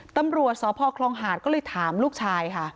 ตำรวจสพคลองหาดก็เลยถามลูกชายค่ะ